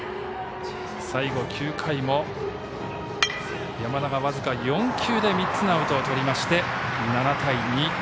最後、９回も山田が僅か４球で３つのアウトをとりまして７対２。